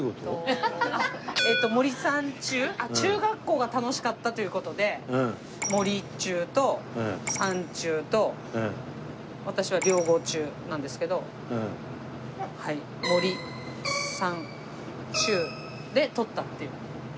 えっと森三中中学校が楽しかったという事で森中と三中と私は両郷中なんですけど「森」「三」「中」で取ったっていう。